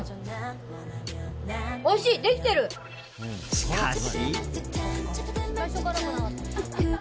しかし。